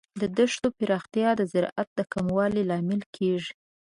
د دښتو پراختیا د زراعت د کموالي لامل کیږي.